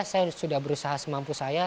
saya sudah berusaha semampu saya